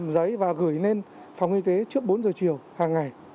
giấy và gửi lên phòng y tế trước bốn giờ chiều hàng ngày